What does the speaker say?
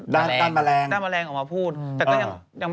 ด้านแมลงออกมาพูด